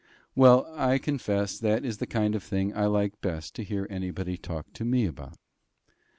Well, I confess, that is the kind of thing I like best to hear anybody talk to me about.